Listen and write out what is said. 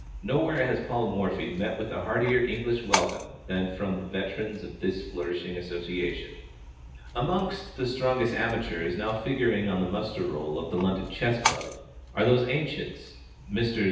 Nowhere has Paul Morphy met with a heartier English welcome than from the veterans of this flourishing association. Amongst the strongest amateurs now figuring on the muster roll of the London Chess Club are those "ancients," Messrs.